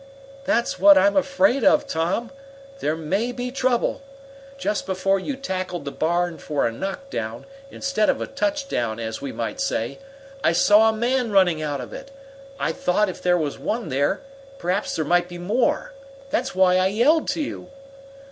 "That's what I'm afraid of, Tom there may be trouble. Just before you tackled the barn for a knockdown, instead of a touchdown, as we might say, I saw a man running out of it. I thought if there was one there, perhaps there might be more. That's why I yelled to you."